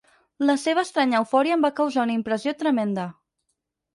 La seva estranya eufòria em va causar una impressió tremenda.